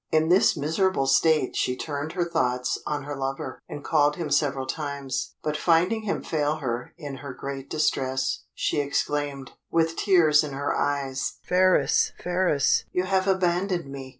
In this miserable state she turned her thoughts on her lover, and called him several times; but finding him fail her in her great distress, she exclaimed, with tears in her eyes, "Phratis! Phratis! you have abandoned me!"